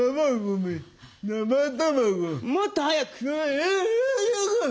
もっと早く！